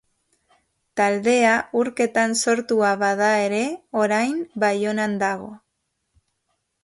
Taldea Urketan sortua bada ere, orain Baionan dago.